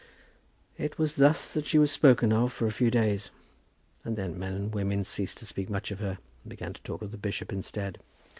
It was thus that she was spoken of for a few days; and then men and women ceased to speak much of her, and began to talk of the bishop instead.